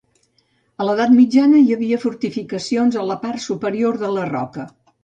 A l'edat mitjana hi havia fortificacions a la part superior de la roca.